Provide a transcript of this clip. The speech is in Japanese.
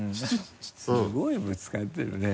すごいぶつかってるね。